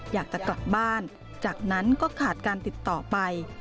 อยากจะกลับบ้านจากนั้นก็ขาดการติดต่อไป